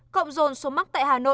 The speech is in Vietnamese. cộng rồn số mắc tại hà nội